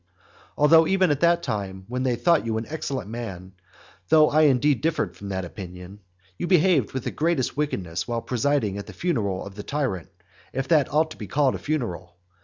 Although even at that time, when they thought you an excellent man, though I indeed differed from that opinion, you behaved with the greatest wickedness while presiding at the funeral of the tyrant, if that ought to be called a funeral.